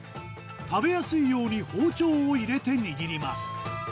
食べやすいように包丁を入れて握ります。